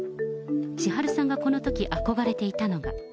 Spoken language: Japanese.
ちはるさんがこのとき憧れていたのが。